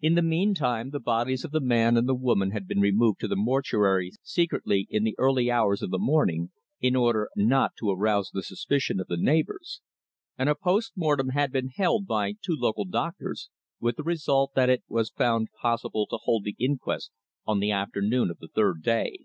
In the meantime the bodies of the man and the woman had been removed to the mortuary secretly in the early hours of the morning in order not to arouse the suspicion of the neighbours, and a post mortem had been held by two local doctors, with the result that it was found possible to hold the inquest on the afternoon of the third day.